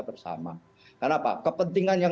bersama kenapa kepentingan yang